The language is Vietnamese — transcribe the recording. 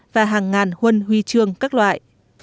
và hàng ngàn huân huy trường các loại